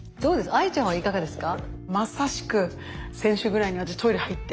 ＡＩちゃんはいかがですか？